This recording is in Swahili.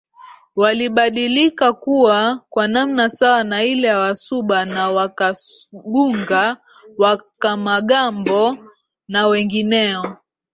walibadilika kuwa kwa namna sawa na ile ya Wasuba ni WakasgungaWakamagambo na wengineo